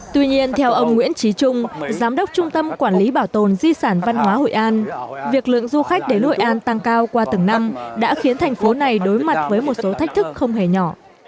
tuy nhiên theo ông nguyễn trí trung giám đốc trung tâm quản lý bảo tồn di sản văn hóa hội an việc lượng du khách đến hội an tăng cao qua từng năm đã khiến thành phố này đối mặt với một số thách thức không hề nhỏ